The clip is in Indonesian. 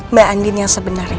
mbak andin yang sebenarnya